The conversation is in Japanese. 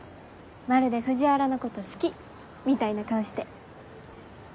まるで藤原のこと好きみたいな顔して。